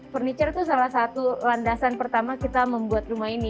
furniture itu salah satu landasan pertama kita membuat rumah ini